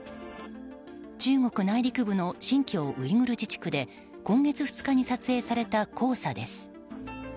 中国内陸部の新疆ウイグル自治区で今月２日に撮影された黄砂です。